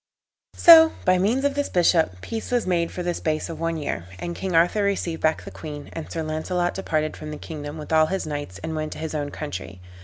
So, by means of this bishop, peace was made for the space of one year; and King Arthur received back the queen, and Sir Launcelot departed from the kingdom with all his knights, and went to his own country.